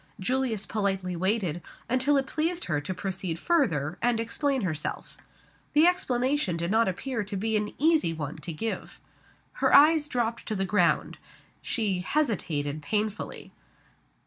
Julius politely waited, until it pleased her to proceed further, and explain herself The explanation did not appear to be an easy one to give. Her eyes dropped to the ground. She hesitated painfully.